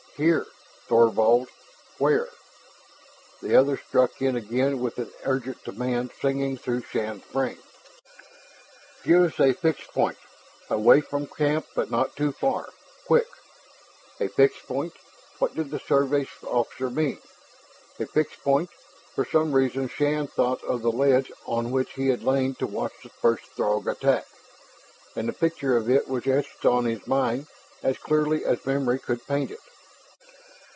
"Here! Thorvald? Where?" The other struck in again with an urgent demand singing through Shann's brain. "Give us a fix point away from camp but not too far. Quick!" A fix point what did the Survey officer mean? A fix point ... For some reason Shann thought of the ledge on which he had lain to watch the first Throg attack. And the picture of it was etched on his mind as clearly as memory could paint it.